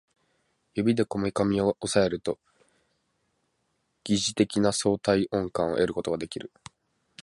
指でこめかみを抑えると疑似的な相対音感を得ることができる